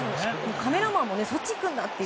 カメラマンもそっち行くんだという。